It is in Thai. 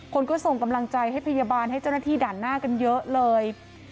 คนก็ส่งกำลังใจให้พยาบาลให้เจ้าหน้าที่ด่านหน้ากันเยอะเลย